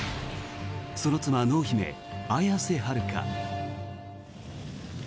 その妻、濃姫、綾瀬はるか。